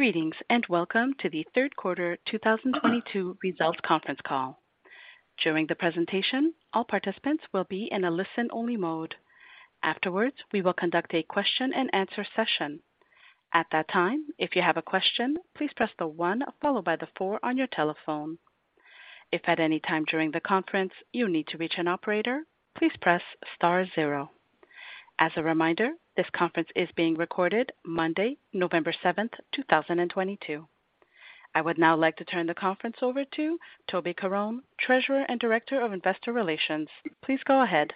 Greetings, and welcome to the third quarter 2022 results conference call. During the presentation, all participants will be in a listen-only mode. Afterwards, we will conduct a question-and-answer session. At that time, if you have a question, please press the one followed by the four on your telephone. If at any time during the conference you need to reach an operator, please press star zero. As a reminder, this conference is being recorded Monday, November 7, 2022. I would now like to turn the conference over to Toby Caron, Treasurer and Director of Investor Relations. Please go ahead.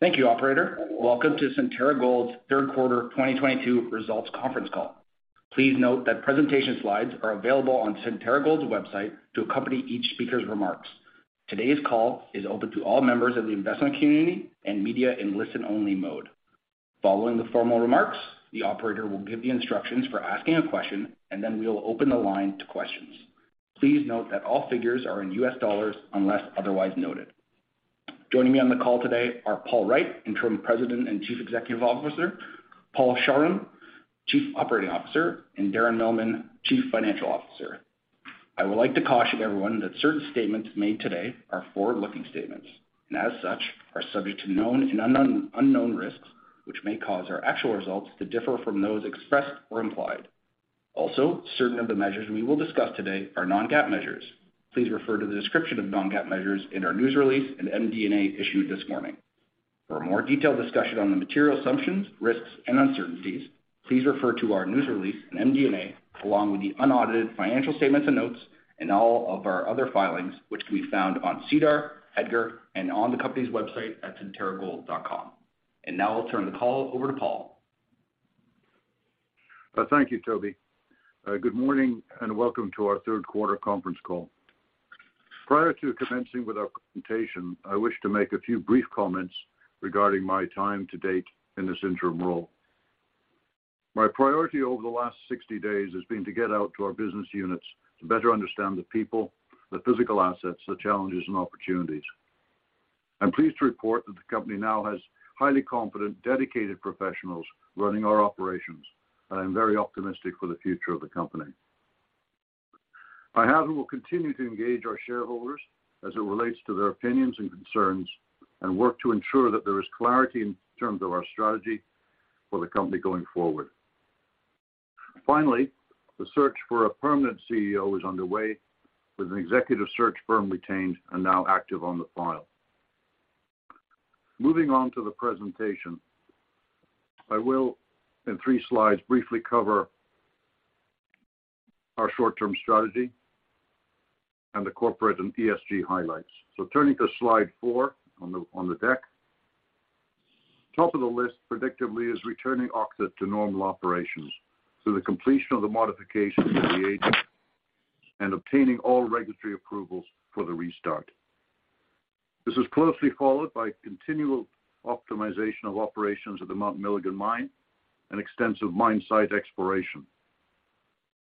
Thank you, Operator. Welcome to Centerra Gold's third quarter 2022 results conference call. Please note that presentation slides are available on Centerra Gold's website to accompany each speaker's remarks. Today's call is open to all members of the investment community and media in listen-only mode. Following the formal remarks, the operator will give the instructions for asking a question, and then we will open the line to questions. Please note that all figures are in U.S. dollars unless otherwise noted. Joining me on the call today are Paul Wright, Interim President and Chief Executive Officer, Paul Chawrun, Chief Operating Officer, and Darren Millman, Chief Financial Officer. I would like to caution everyone that certain statements made today are forward-looking statements, and as such, are subject to known and unknown risks, which may cause our actual results to differ from those expressed or implied. Also, certain of the measures we will discuss today are non-GAAP measures. Please refer to the description of non-GAAP measures in our news release and MD&A issued this morning. For a more detailed discussion on the material assumptions, risks, and uncertainties, please refer to our news release and MD&A, along with the unaudited financial statements and notes and all of our other filings, which can be found on SEDAR, EDGAR, and on the company's website at centerragold.com. Now I'll turn the call over to Paul. Thank you, Toby. Good morning and welcome to our third quarter conference call. Prior to commencing with our presentation, I wish to make a few brief comments regarding my time to date in this interim role. My priority over the last 60 days has been to get out to our business units to better understand the people, the physical assets, the challenges and opportunities. I'm pleased to report that the company now has highly competent, dedicated professionals running our operations, and I'm very optimistic for the future of the company. I have and will continue to engage our shareholders as it relates to their opinions and concerns and work to ensure that there is clarity in terms of our strategy for the company going forward. Finally, the search for a permanent CEO is underway with an executive search firm retained and now active on the file. Moving on to the presentation. I will, in three slides, briefly cover our short-term strategy and the corporate and ESG highlights. Turning to slide four on the deck. Top of the list, predictably, is returning Öksüt to normal operations through the completion of the modification of the agent and obtaining all regulatory approvals for the restart. This is closely followed by continual optimization of operations at the Mount Milligan mine and extensive mine site exploration.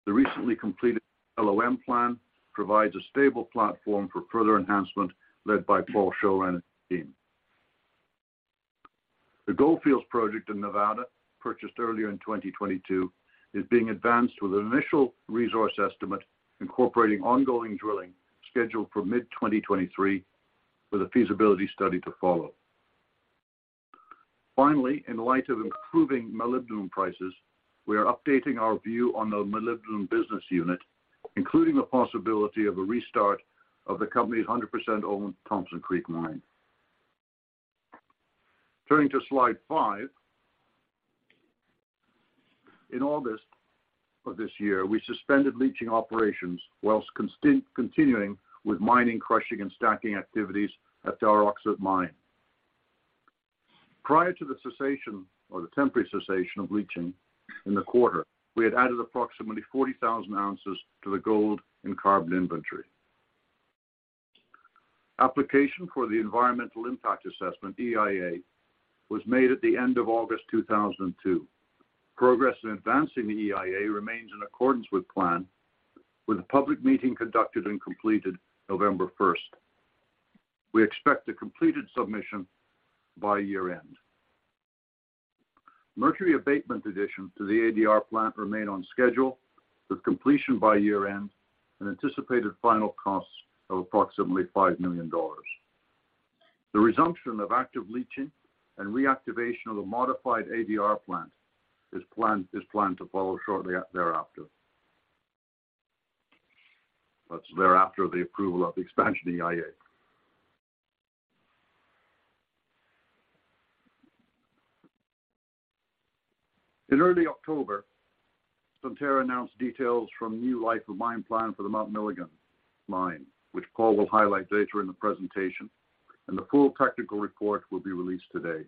The recently completed LOM plan provides a stable platform for further enhancement, led by Paul Chawrun and team. The Goldfield project in Nevada, purchased earlier in 2022, is being advanced with an initial resource estimate incorporating ongoing drilling scheduled for mid-2023, with a feasibility study to follow. Finally, in light of improving molybdenum prices, we are updating our view on the Molybdenum Business Unit, including the possibility of a restart of the company's 100% owned Thompson Creek mine. Turning to slide five. In August of this year, we suspended leaching operations while continuing with mining, crushing, and stacking activities at our Öksüt mine. Prior to the cessation or the temporary cessation of leaching in the quarter, we had added approximately 40,000 oz to the gold and carbon inventory. Application for the environmental impact assessment, EIA, was made at the end of August 2022. Progress in advancing the EIA remains in accordance with plan, with a public meeting conducted and completed November 1. We expect a completed submission by year-end. Mercury abatement additions to the ADR plant remain on schedule, with completion by year-end and anticipated final costs of approximately $5 million. The resumption of active leaching and reactivation of the modified ADR plant is planned to follow shortly thereafter. That's thereafter the approval of the expansion EIA. In early October, Centerra announced details from new life of mine plan for the Mount Milligan mine, which Paul will highlight later in the presentation, and the full technical report will be released today.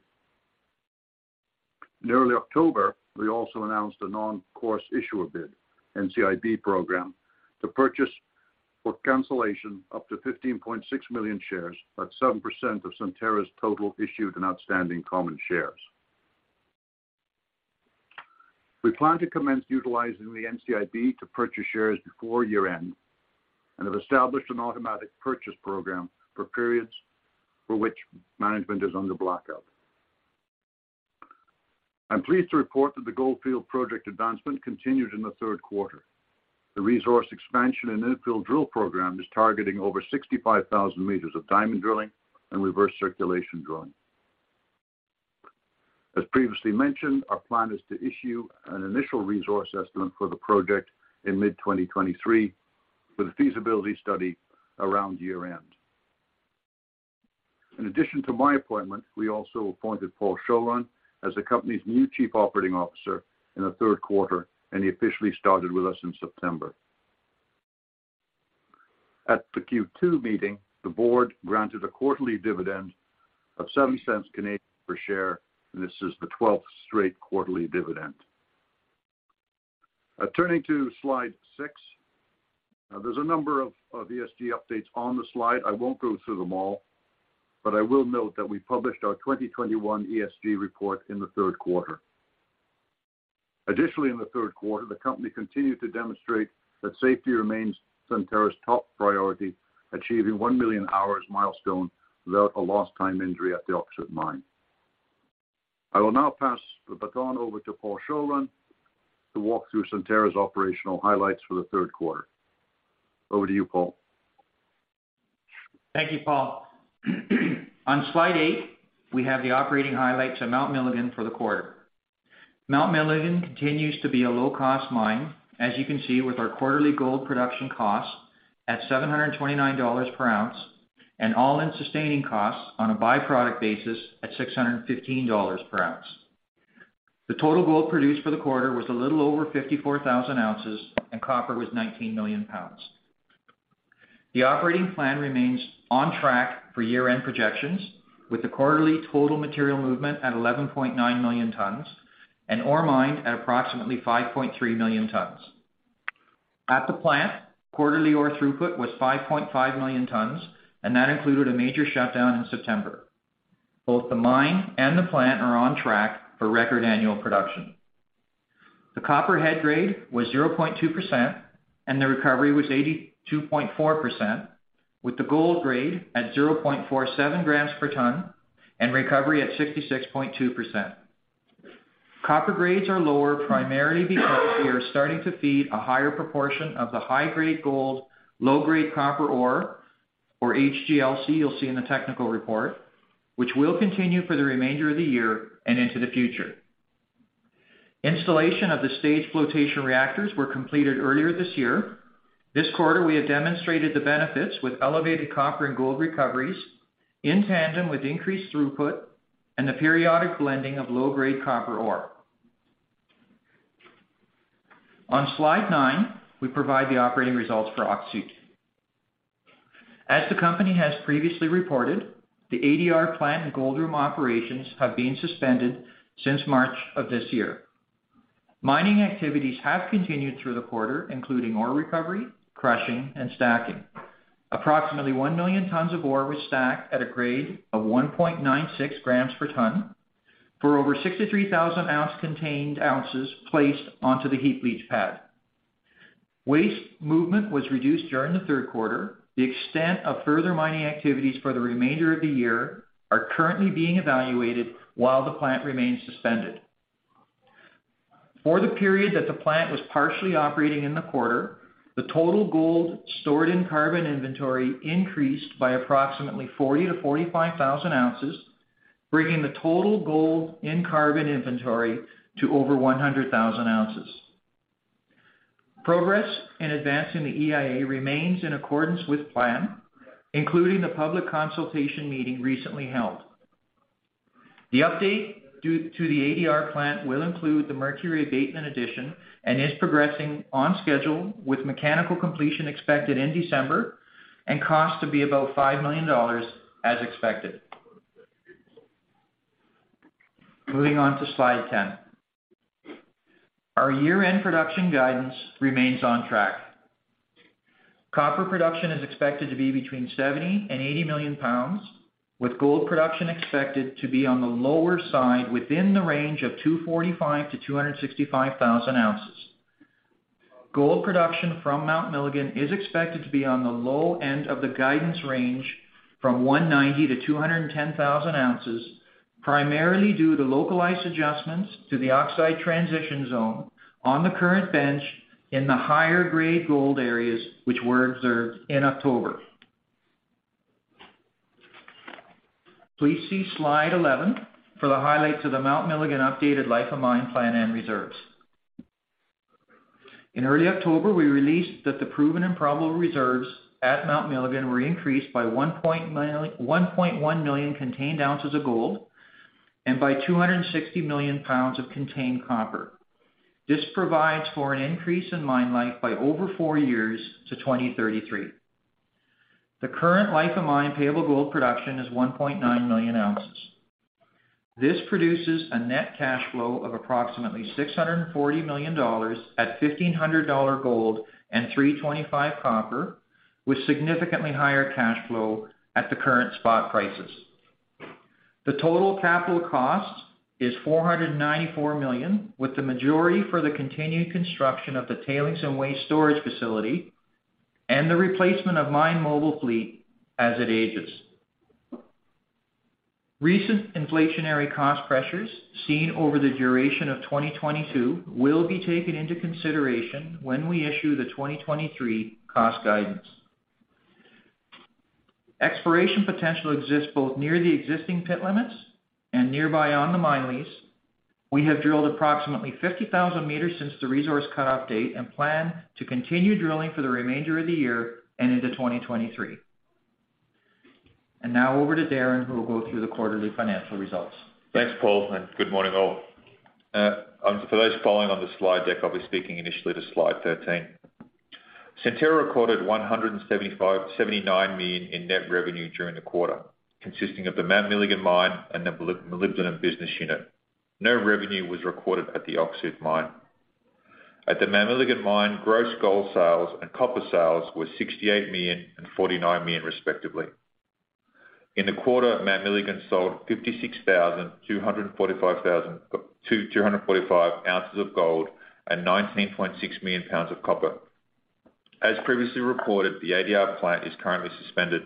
In early October, we also announced a normal course issuer bid, NCIB program, to purchase for cancellation up to 15.6 million shares, about 7% of Centerra's total issued and outstanding common shares. We plan to commence utilizing the NCIB to purchase shares before year-end and have established an automatic purchase program for periods for which management is under blackout. I'm pleased to report that the Goldfield project advancement continued in the third quarter. The resource expansion and infill drill program is targeting over 65,000 m of diamond drilling and reverse circulation drilling. As previously mentioned, our plan is to issue an initial resource estimate for the project in mid-2023, with a feasibility study around year-end. In addition to my appointment, we also appointed Paul Chawrun as the company's new Chief Operating Officer in the third quarter, and he officially started with us in September. At the Q2 meeting, the Board granted a quarterly dividend of 0.07 per share, and this is the 12th straight quarterly dividend. Turning to slide six. Now, there's a number of ESG updates on the slide. I won't go through them all, but I will note that we published our 2021 ESG report in the third quarter. Additionally, in the third quarter, the company continued to demonstrate that safety remains Centerra's top priority, achieving one million hours milestone without a lost time injury at the Öksüt mine. I will now pass the baton over to Paul Chawrun to walk through Centerra's operational highlights for the third quarter. Over to you, Paul. Thank you, Paul. On slide eight, we have the operating highlights at Mount Milligan for the quarter. Mount Milligan continues to be a low-cost mine, as you can see with our quarterly gold production costs at $729 per ounce and all-in sustaining costs on a byproduct basis at $615 per ounce. The total gold produced for the quarter was a little over 54,000 oz, and copper was 19 million pounds. The operating plan remains on track for year-end projections, with the quarterly total material movement at 11.9 million tons and ore mined at approximately 5.3 million tons. At the plant, quarterly ore throughput was 5.5 million tons, and that included a major shutdown in September. Both the mine and the plant are on track for record annual production. The copper head grade was 0.2%, and the recovery was 82.4%, with the gold grade at 0.47 grams per ton and recovery at 66.2%. Copper grades are lower primarily because we are starting to feed a higher proportion of the high-grade gold, low-grade copper ore, or HGLC you'll see in the technical report, which will continue for the remainder of the year and into the future. Installation of the Staged Flotation Reactors were completed earlier this year. This quarter, we have demonstrated the benefits with elevated copper and gold recoveries in tandem with increased throughput and the periodic blending of low-grade copper ore. On slide nine, we provide the operating results for Öksüt. As the company has previously reported, the ADR plant and gold room operations have been suspended since March of this year. Mining activities have continued through the quarter, including ore recovery, crushing, and stacking. Approximately 1,000,000 tons of ore was stacked at a grade of 1.96 grams per ton for over 63,000 oz contained placed onto the heap leach pad. Waste movement was reduced during the third quarter. The extent of further mining activities for the remainder of the year are currently being evaluated while the plant remains suspended. For the period that the plant was partially operating in the quarter, the total gold stored in carbon inventory increased by approximately 40,000-45,000 oz, bringing the total gold in carbon inventory to over 100,000 oz. Progress in advancing the EIA remains in accordance with plan, including the public consultation meeting recently held. The update due to the ADR plant will include the mercury abatement addition and is progressing on schedule, with mechanical completion expected in December and cost to be about $5 million as expected. Moving on to slide 10. Our year-end production guidance remains on track. Copper production is expected to be between 70-80 million lbs, with gold production expected to be on the lower side within the range of 245,000-265,000 oz. Gold production from Mount Milligan is expected to be on the low end of the guidance range from 190,000-210,000 oz, primarily due to localized adjustments to the oxide transition zone on the current bench in the higher grade gold areas which were observed in October. Please see slide 11 for the highlights of the Mount Milligan updated life of mine plan and reserves. In early October, we released that the proven and probable reserves at Mount Milligan were increased by 1.1 million contained oz of gold and by 260 million pounds of contained copper. This provides for an increase in mine life by over four years to 2033. The current life of mine payable gold production is 1.9 million oz. This produces a net cash flow of approximately $640 million at $1,500 gold and $3.25 copper, with significantly higher cash flow at the current spot prices. The total capital cost is $494 million, with the majority for the continued construction of the tailings and waste storage facility. The replacement of mine mobile fleet as it ages. Recent inflationary cost pressures seen over the duration of 2022 will be taken into consideration when we issue the 2023 cost guidance. Exploration potential exists both near the existing pit limits and nearby on the mine lease. We have drilled approximately 50,000 meters since the resource cut off date and plan to continue drilling for the remainder of the year and into 2023. Now over to Darren, who will go through the quarterly financial results. Thanks, Paul, and good morning all. For those following on the slide deck, I'll be speaking initially to slide 13. Centerra recorded $79 million in net revenue during the quarter, consisting of the Mount Milligan mine and the Molybdenum Business Unit. No revenue was recorded at the Öksüt mine. At the Mount Milligan mine, gross gold sales and copper sales were $68 million and $49 million, respectively. In the quarter, Mount Milligan sold 56,245 oz of gold and 19.6 million pounds of copper. As previously reported, the ADR plant is currently suspended.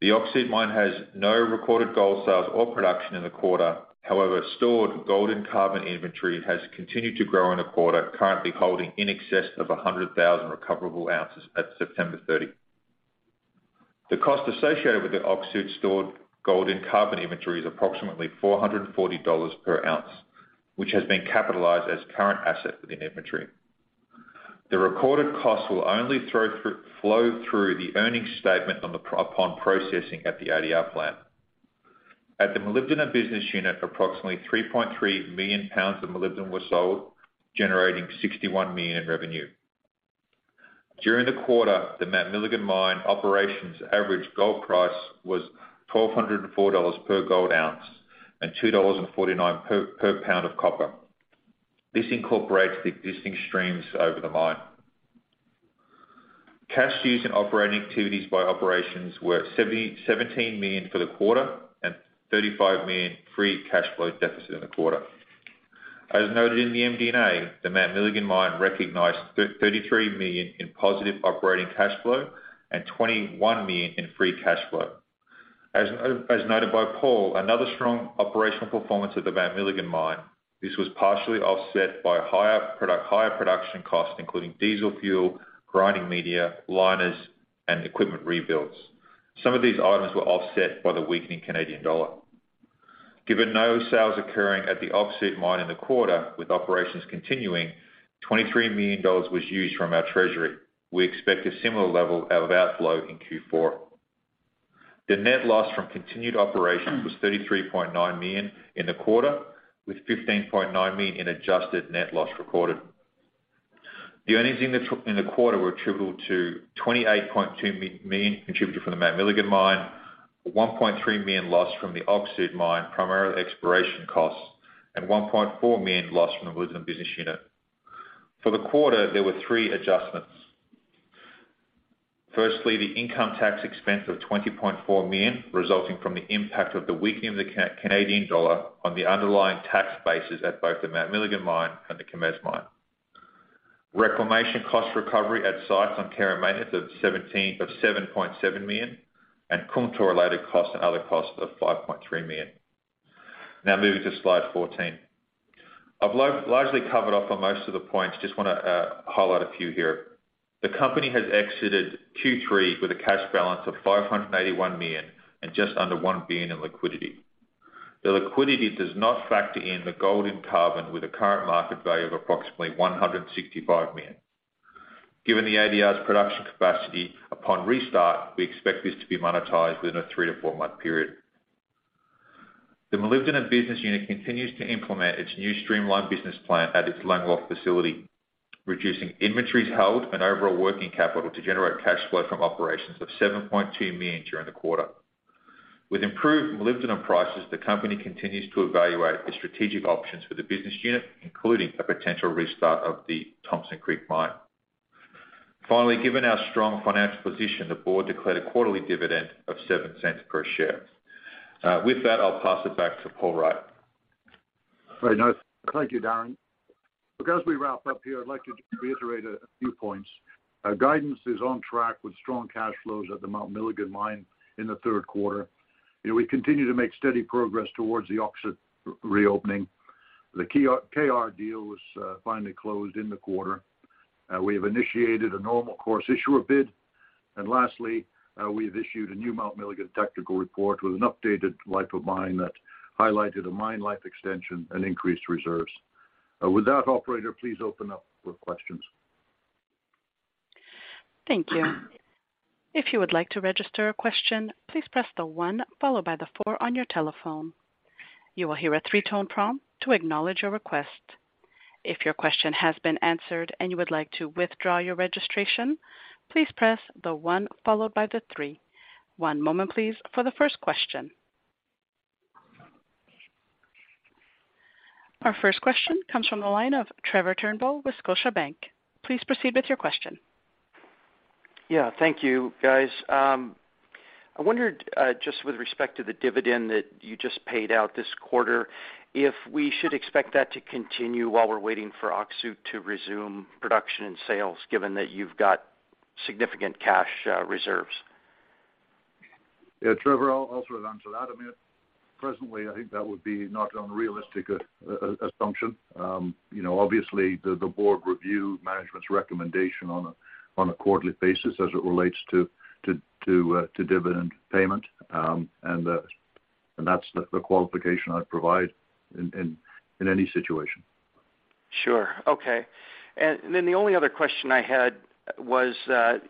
The Öksüt mine has no recorded gold sales or production in the quarter. However, stored gold and carbon inventory has continued to grow in the quarter, currently holding in excess of 100,000 recoverable ounces at September 30. The cost associated with the oxide stored gold and carbon inventory is approximately $440 per ounce, which has been capitalized as current asset within inventory. The recorded costs will only flow through the earnings statement upon processing at the ADR plant. At the Molybdenum Business Unit, approximately 3.3 million lbs of molybdenum were sold, generating $61 million in revenue. During the quarter, the Mount Milligan mine operations average gold price was $1,204 per gold ounce and $2.49 per pound of copper. This incorporates the existing streams over the mine. Cash used in operating activities by operations were $17 million for the quarter and $35 million free cash flow deficit in the quarter. As noted in the MD&A, the Mount Milligan mine recognized $33 million in positive operating cash flow and $21 million in free cash flow. As noted by Paul, another strong operational performance at the Mount Milligan mine. This was partially offset by higher production costs, including diesel fuel, grinding media, liners, and equipment rebuilds. Some of these items were offset by the weakening Canadian dollar. Given no sales occurring at the Öksüt mine in the quarter, with operations continuing, $23 million was used from our treasury. We expect a similar level of outflow in Q4. The net loss from continuing operations was $33.9 million in the quarter, with $15.9 million in adjusted net loss recorded. The earnings in the quarter were attributable to $28.2 million contributed from the Mount Milligan mine, $1.3 million lost from the Öksüt mine, primarily exploration costs, and $1.4 million lost from the Molybdenum Business Unit. For the quarter, there were three adjustments. Firstly, the income tax expense of $20.4 million, resulting from the impact of the weakening of the Canadian dollar on the underlying tax bases at both the Mount Milligan mine and the Kemess mine. Reclamation cost recovery at sites on care and maintenance of $7.7 million, and Kumtor-related costs and other costs of $5.3 million. Now moving to slide 14. I've largely covered off on most of the points. Just wanna highlight a few here. The company has exited Q3 with a cash balance of $581 million and just under $1 billion in liquidity. The liquidity does not factor in the gold and carbon with a current market value of approximately $165 million. Given the ADR's production capacity upon restart, we expect this to be monetized within a three-to-four-month period. The Molybdenum Business Unit continues to implement its new streamlined business plan at its Langeloth facility, reducing inventories held and overall working capital to generate cash flow from operations of $7.2 million during the quarter. With improved molybdenum prices, the company continues to evaluate the strategic options for the business unit, including a potential restart of the Thompson Creek mine. Finally, given our strong financial position, the board declared a quarterly dividend of 0.07 per share. With that, I'll pass it back to Paul Wright. Very nice. Thank you, Darren. Look, as we wrap up here, I'd like to reiterate a few points. Our guidance is on track with strong cash flows at the Mount Milligan mine in the third quarter. You know, we continue to make steady progress towards the Öksüt reopening. The KR deal was finally closed in the quarter. We have initiated a normal course issuer bid. And lastly, we've issued a new Mount Milligan technical report with an updated life of mine that highlighted a mine life extension and increased reserves. With that operator, please open up for questions. Thank you. If you would like to register a question, please press the one followed by the four on your telephone. You will hear a three-tone prompt to acknowledge your request. If your question has been answered and you would like to withdraw your registration, please press the one followed by the three. One moment, please, for the first question. Our first question comes from the line of Trevor Turnbull with Scotiabank. Please proceed with your question. Yeah. Thank you, guys. I wondered, just with respect to the dividend that you just paid out this quarter, if we should expect that to continue while we're waiting for Öksüt to resume production and sales, given that you've got significant cash reserves. Yeah, Trevor, I'll sort of answer that. I mean, presently, I think that would be not an unrealistic assumption. You know, obviously the board review management's recommendation on a quarterly basis as it relates to dividend payment. And that's the qualification I'd provide in any situation. Sure. Okay. Then the only other question I had was,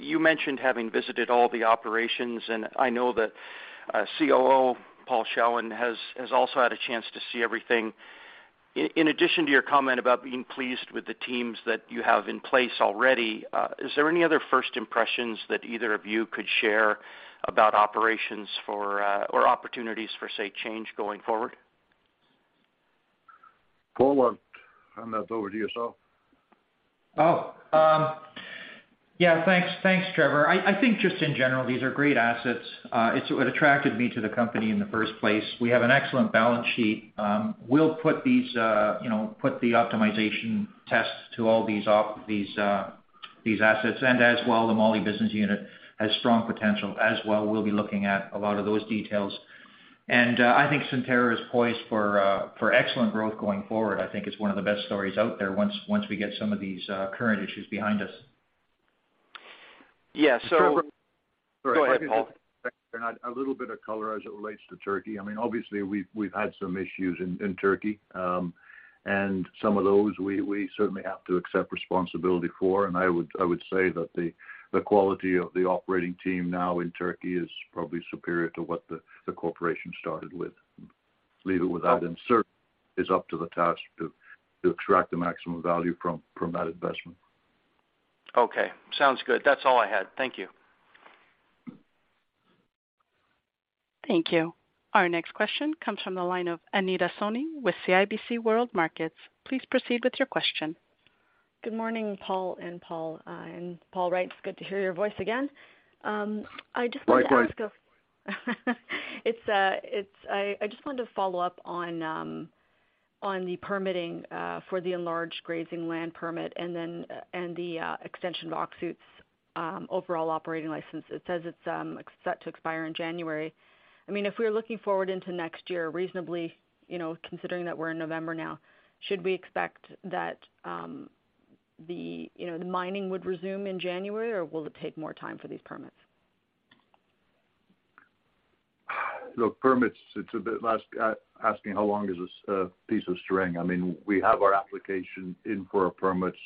you mentioned having visited all the operations, and I know that Chief Operating Officer Paul Chawrun has also had a chance to see everything. In addition to your comment about being pleased with the teams that you have in place already, is there any other first impressions that either of you could share about operations for or opportunities for, say, change going forward? Paul, I'll hand that over to you, sir. Oh, yeah. Thanks, Trevor. I think just in general, these are great assets. It's what attracted me to the company in the first place. We have an excellent balance sheet. We'll put these, you know, put the optimization tests to all these assets, and as well, the moly business unit has strong potential as well. We'll be looking at a lot of those details. I think Centerra is poised for excellent growth going forward. I think it's one of the best stories out there once we get some of these current issues behind us. Yeah. Trevor. Go ahead, Paul. A little bit of color as it relates to Turkey. I mean, obviously, we've had some issues in Turkey. Some of those we certainly have to accept responsibility for. I would say that the quality of the operating team now in Turkey is probably superior to what the corporation started with. That, without a doubt, is up to the task to extract the maximum value from that investment. Okay. Sounds good. That's all I had. Thank you. Thank you. Our next question comes from the line of Anita Soni with CIBC World Markets. Please proceed with your question. Good morning, Paul and Paul. Paul Wright, it's good to hear your voice again. I just wanted to ask a- Likewise. I just wanted to follow up on the permitting for the enlarged grazing land permit and then the extension of Öksüt's overall operating license. It says it's set to expire in January. I mean, if we're looking forward into next year reasonably, you know, considering that we're in November now, should we expect that the mining would resume in January, or will it take more time for these permits? The permits, it's a bit like asking how long is a piece of string. I mean, we have our application in for our permits.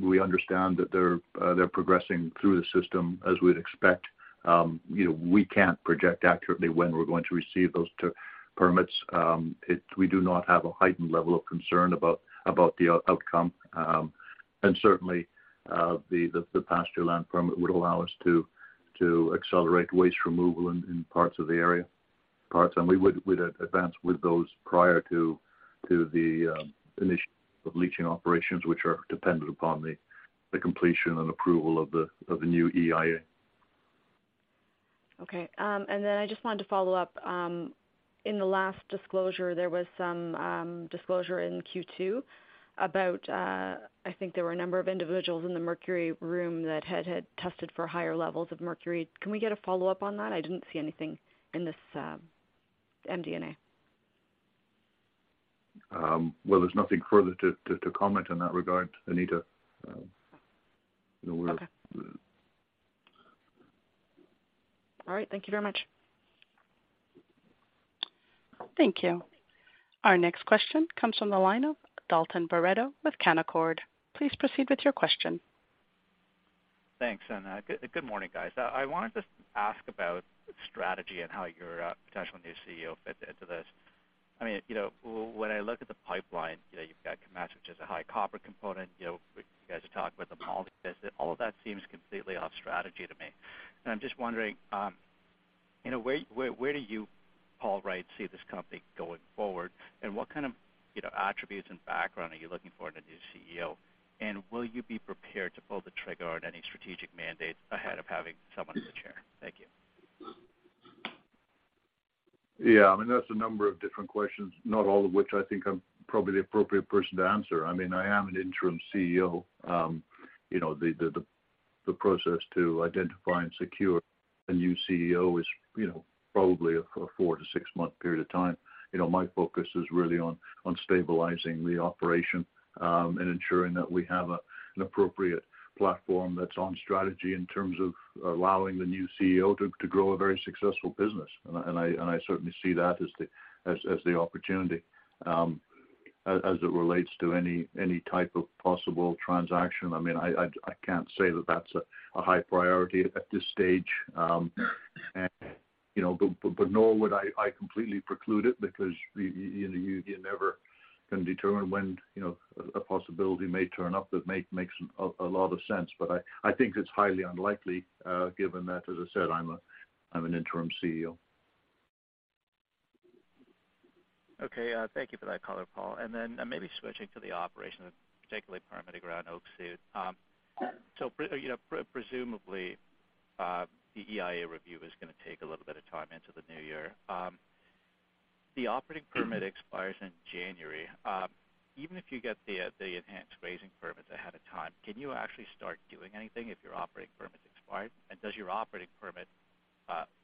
We understand that they're progressing through the system as we'd expect. You know, we can't project accurately when we're going to receive those two permits. We do not have a heightened level of concern about the outcome. Certainly, the pasture land permit would allow us to accelerate waste removal in parts of the area. We would advance with those prior to the initial leaching operations, which are dependent upon the completion and approval of the new EIA. Okay. I just wanted to follow up. In the last disclosure, there was some disclosure in Q2 about I think there were a number of individuals in the mercury room that had tested for higher levels of mercury. Can we get a follow-up on that? I didn't see anything in this MD&A. Well, there's nothing further to comment in that regard, Anita. Okay. All right. Thank you very much. Thank you. Our next question comes from the line of Dalton Baretto with Canaccord Genuity. Please proceed with your question. Thanks, good morning, guys. I wanted to ask about strategy and how your potential new CEO fits into this. I mean, you know, when I look at the pipeline, you know, you've got Kemess, which is a high copper component, you know, you guys are talking about the moly business. All of that seems completely off strategy to me. I'm just wondering, you know, where do you, Paul Wright, see this company going forward? What kind of, you know, attributes and background are you looking for in a new CEO? Will you be prepared to pull the trigger on any strategic mandates ahead of having someone in the chair? Thank you. Yeah. I mean, that's a number of different questions, not all of which I think I'm probably the appropriate person to answer. I mean, I am an Interim CEO. You know, the process to identify and secure a new CEO is, you know, probably a four-to-six-month period of time. You know, my focus is really on stabilizing the operation and ensuring that we have an appropriate platform that's on strategy in terms of allowing the new CEO to grow a very successful business. I certainly see that as the opportunity. As it relates to any type of possible transaction, I mean, I can't say that that's a high priority at this stage. You know, but nor would I completely preclude it because you never can determine when, you know, a possibility may turn up that makes a lot of sense. I think it's highly unlikely, given that, as I said, I'm an Interim CEO. Okay, thank you for that color, Paul. Maybe switching to the operations, particularly permitting around Öksüt. Presumably, the EIA review is gonna take a little bit of time into the new year. The operating permit expires in January. Even if you get the enhanced grazing permits ahead of time, can you actually start doing anything if your operating permit's expired? Does your operating permit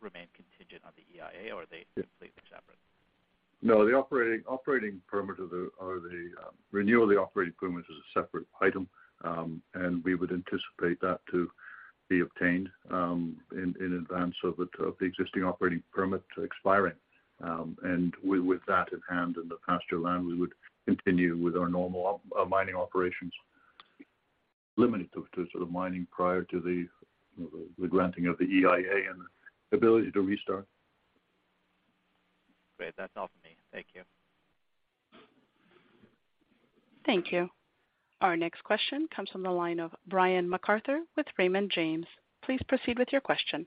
remain contingent on the EIA, or are they completely separate? No, the operating permit or the renewal of the operating permit is a separate item. We would anticipate that to be obtained in advance of the existing operating permit expiring. With that in hand, in the pasture land, we would continue with our normal mining operations. Limited to sort of mining prior to the granting of the EIA and the ability to restart. Great. That's all for me. Thank you. Thank you. Our next question comes from the line of Brian MacArthur with Raymond James. Please proceed with your question.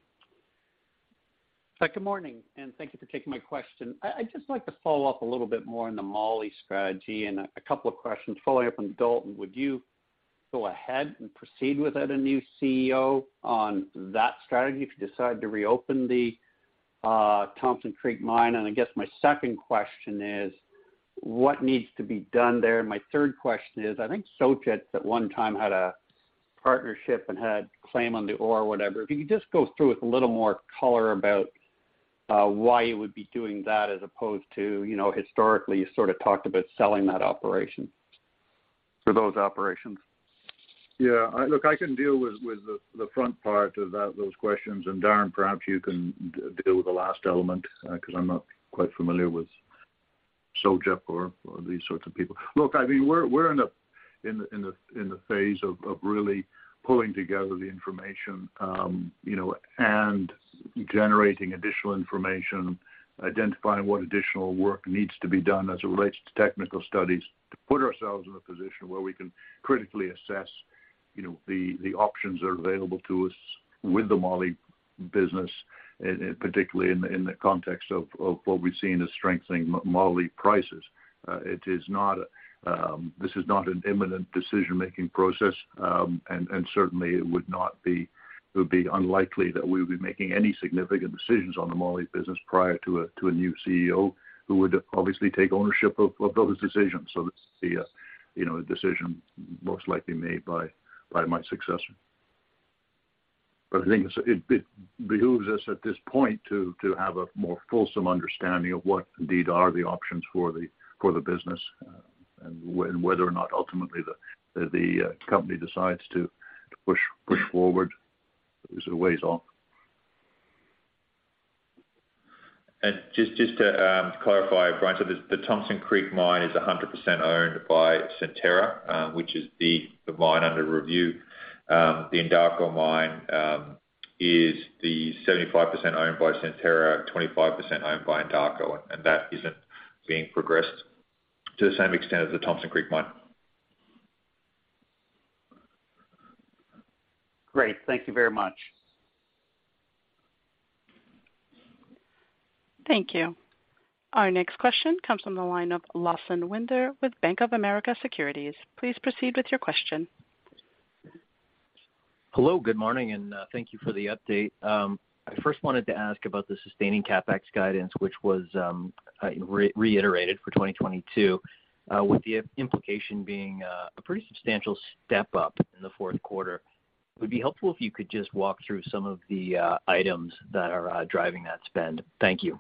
Hi, good morning, and thank you for taking my question. I'd just like to follow up a little bit more on the molybdenum strategy. A couple of questions following up on Dalton. Would you go ahead and proceed without a new CEO on that strategy if you decide to reopen the Thompson Creek mine? I guess my second question is what needs to be done there? My third question is, I think Sojitz at one time had a partnership and had claim on the ore, whatever. If you could just go through with a little more color about why you would be doing that as opposed to, you know, historically, you sort of talked about selling that operation. For those operations. Yeah, Look, I can deal with the front part of that, those questions. Darren, perhaps you can deal with the last element, 'cause I'm not quite familiar with Sojitz or these sorts of people. Look, I mean, we're in the phase of really pulling together the information, you know, and generating additional information, identifying what additional work needs to be done as it relates to technical studies to put ourselves in a position where we can critically assess the options that are available to us with the molybdenum business, particularly in the context of what we've seen as strengthening molybdenum prices. This is not an imminent decision-making process. Certainly it would be unlikely that we would be making any significant decisions on the moly business prior to a new CEO who would obviously take ownership of those decisions. This would be, you know, a decision most likely made by my successor. I think it behooves us at this point to have a more fulsome understanding of what indeed are the options for the business, and whether or not ultimately the company decides to push forward is a ways off. Just to clarify, Brian, the Thompson Creek mine is 100% owned by Centerra, which is the mine under review. The Endako mine is 75% owned by Centerra, 25% owned by Sojitz, and that isn't being progressed to the same extent as the Thompson Creek mine. Great. Thank you very much. Thank you. Our next question comes from the line of Lawson Winder with Bank of America Securities. Please proceed with your question. Hello, good morning, and thank you for the update. I first wanted to ask about the sustaining CapEx guidance, which was reiterated for 2022, with the implication being a pretty substantial step up in the fourth quarter. It would be helpful if you could just walk through some of the items that are driving that spend. Thank you.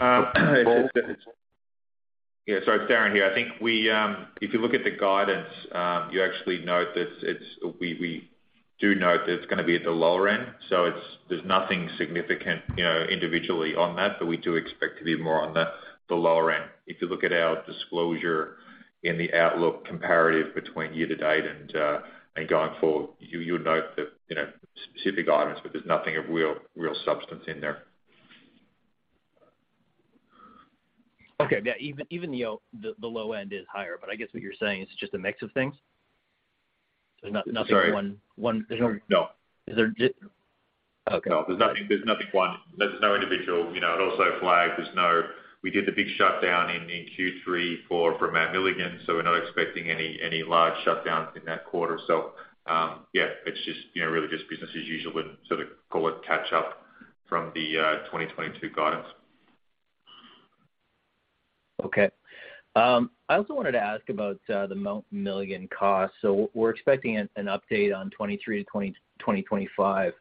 Um. Paul? Yeah, sorry, Darren here. I think if you look at the guidance, you actually note that we do note that it's gonna be at the lower end. There's nothing significant, you know, individually on that, but we do expect to be more on the lower end. If you look at our disclosure in the outlook comparative between year to date and going forward, you would note that, you know, specific items, but there's nothing of real substance in there. Okay. Yeah, even the low end is higher, but I guess what you're saying is it's just a mix of things. There's not- Sorry. Nothing one- No. Okay. No. There's no one. There's no individual, you know. I'd also flag. We did the big shutdown in Q3 for our Mount Milligan, so we're not expecting any large shutdowns in that quarter. Yeah, it's just, you know, really just business as usual and sort of call it catch up from the 2022 guidance. Okay. I also wanted to ask about the Mount Milligan cost. We're expecting an update on 2023-2025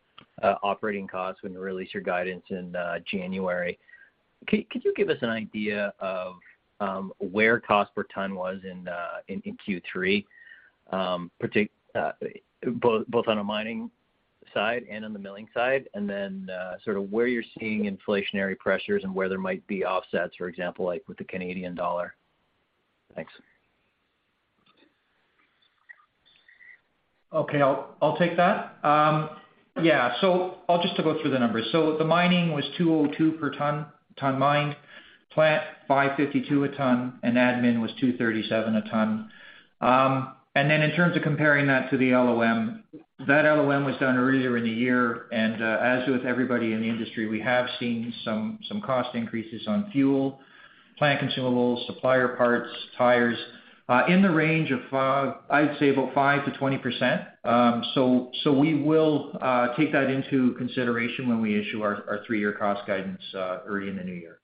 operating costs when you release your guidance in January. Could you give us an idea of where cost per ton was in Q3, both on the mining side and on the milling side? Sort of where you're seeing inflationary pressures and where there might be offsets, for example, like with the Canadian dollar. Thanks. Okay. I'll take that. Yeah. I'll just go through the numbers. The mining was $202 per ton mined. Plant, $552 a ton, and admin was $237 a ton. In terms of comparing that to the LOM, that LOM was done earlier in the year. As with everybody in the industry, we have seen some cost increases on fuel, plant consumables, supplier parts, tires, in the range of, I'd say about 5%-20%. We will take that into consideration when we issue our three-year cost guidance early in the new year.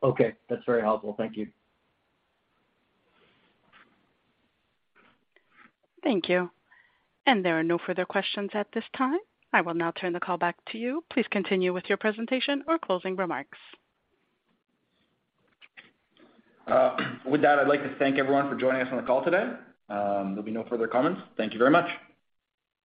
Okay. That's very helpful. Thank you. Thank you. There are no further questions at this time. I will now turn the call back to you. Please continue with your presentation or closing remarks. With that, I'd like to thank everyone for joining us on the call today. There'll be no further comments. Thank you very much.